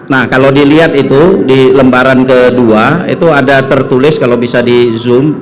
nah kalau dilihat itu di lembaran kedua itu ada tertulis kalau bisa di zoom